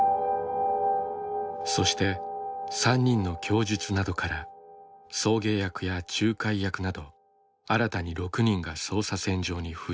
そして３人の供述などから送迎役や仲介役など新たに６人が捜査線上に浮上。